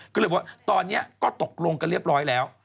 ก็เลยว่าตอนนี้ก็ตกลงกันเรียบร้อยแล้ว